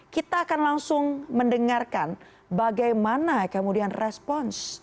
kita akan langsung mendengarkan bagaimana kemudian respons